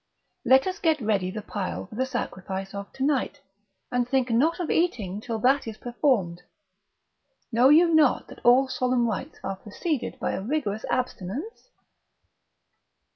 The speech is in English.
Let us get ready the pile for the sacrifice of to night, and think not of eating till that is performed; know you not that all solemn rites are preceded by a rigorous abstinence?"